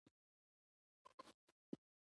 یو شمېر دواګانې د هستوي موادو جوړښت منع کوي.